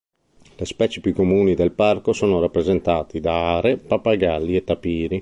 Le specie più comuni del parco sono rappresentate da are, pappagalli e tapiri.